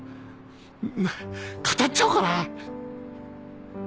語っちゃおうかな。